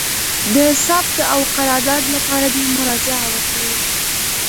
د ثبت او قرارداد لپاره دي مراجعه وکړي: